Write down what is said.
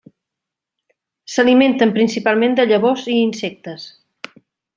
S'alimenten principalment de llavors i insectes.